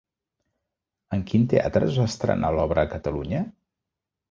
En quin teatre es va estrenar l'obra a Catalunya?